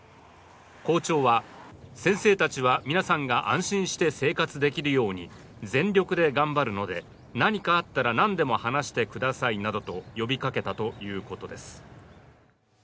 校長は、先生たちは皆さんが安心して生活できるように全力で頑張るので何かあったら何でも話してくださいなどと呼びかけたということです。